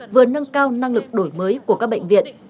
vừa nâng cao năng lực đổi mới của các bệnh viện